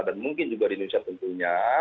dan mungkin juga di indonesia tentunya